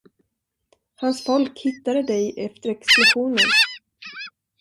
Hans folk hittade dig efter explosionen.